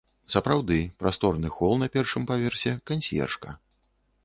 Сапраўды, прасторны хол на першым паверсе, кансьержка.